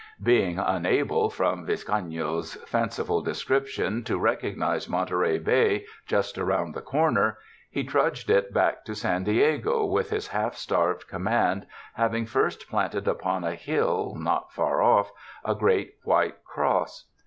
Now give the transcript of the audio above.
Being unable, from Vizcaino's fanciful description, to recognize Monte rey Bay .I'ust around the corner, he trudged it back to San Diego, with his half starved command, hav ing first planted upon a hill, not far off, a great white cross.